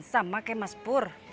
sama ke mas pur